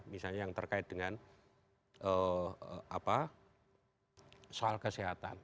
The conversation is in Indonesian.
misalnya yang terkait dengan soal kesehatan